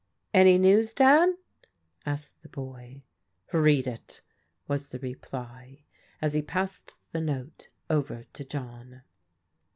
"Any news, Dad?" asked the boy. " Read it," was the reply, as he passed the note over to John.